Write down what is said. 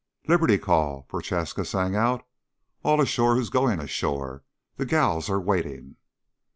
"Liberty call," Prochaska sang out. "All ashore who's going ashore. The gals are waiting."